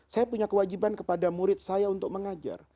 saya punya kewajiban kepada murid saya untuk mengajar